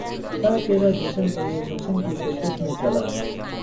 کیا ترا جسم ترے حسن کی حدت میں جلا